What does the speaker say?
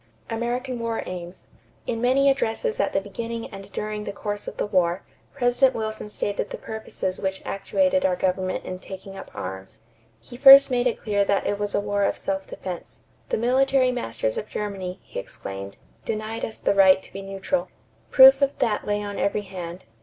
=American War Aims.= In many addresses at the beginning and during the course of the war, President Wilson stated the purposes which actuated our government in taking up arms. He first made it clear that it was a war of self defense. "The military masters of Germany," he exclaimed, "denied us the right to be neutral." Proof of that lay on every hand.